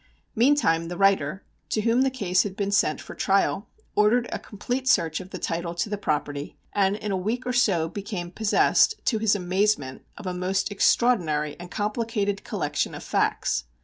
Meantime the writer, to whom the case had been sent for trial, ordered a complete search of the title to the property, and in a week or so became possessed, to his amazement, of a most extraordinary and complicated collection of facts.